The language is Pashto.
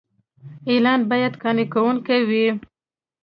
اعلان باید قانع کوونکی وي.